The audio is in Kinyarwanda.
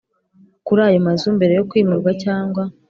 Kuri ayo mazu mbere yo kwimurwa cyangwa